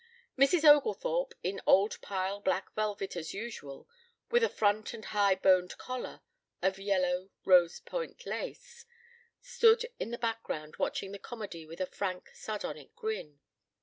Mrs. Oglethorpe, in old pile black velvet as usual, with a front and high boned collar of yellow rose point lace, stood in the background watching the comedy with a frank sardonic grin.